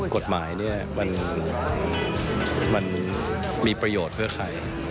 กฎหมายเนี่ยมันมีประโยชน์เพื่อใคร